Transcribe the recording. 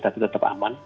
tapi tetap aman